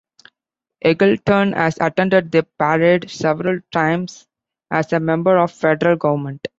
Eggleton has attended the parade several times as a member of federal government.